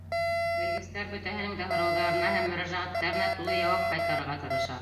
Белгестәр бөтәһенең дә һорауҙарына һәм мөрәжәғәттәренә тулы яуап ҡайтарырға тырыша.